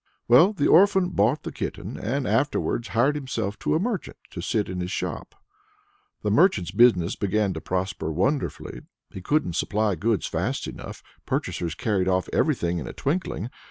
Well the orphan bought the kitten, and afterwards hired himself to a merchant, to sit in his shop. That merchant's business began to prosper wonderfully. He couldn't supply goods fast enough; purchasers carried off everything in a twinkling.